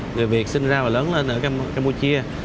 người việt sinh ra và lớn lên ở campuchia